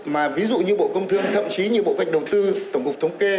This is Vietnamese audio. mà ví dụ như bộ công thương thậm chí như bộ cách đầu tư tổng cục thống kê